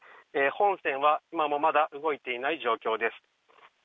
本線は今もまだ動いていない状況です。